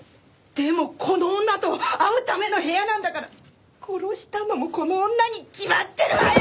でもこの女と会うための部屋なんだから殺したのもこの女に決まってるわよ！